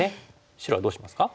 白はどうしますか？